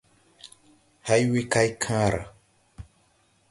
Hay we kay kããra.